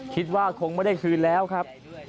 คิดว่าคงไม่ได้คืนแล้วครับ